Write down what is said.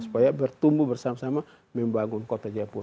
supaya bertumbuh bersama sama membangun kota jayapura